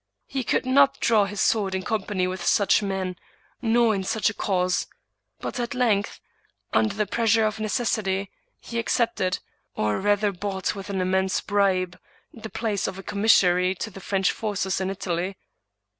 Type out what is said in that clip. He could not draw his sword in company with such men, nor in such a cause. But at length, under the pressure of necessity, he accepted (or rather bought with an im mense bribe) the place of a commissary to the French forces in Italy.